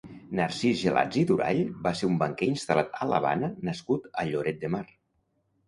Narcís Gelats i Durall va ser un banquer instal·lat a l'Havana nascut a Lloret de Mar.